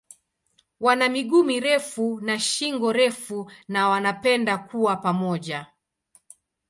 Wana miguu mirefu na shingo refu na wanapenda kuwa pamoja.